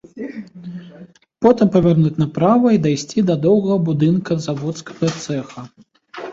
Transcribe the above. Потым павярнуць направа і дайсці да доўгага будынка заводскага цэха.